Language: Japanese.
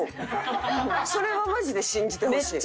それはマジで信じてほしい。